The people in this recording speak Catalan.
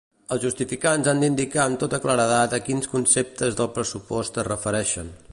Els justificants han d'indicar amb tota claredat a quins conceptes del pressupost es refereixen.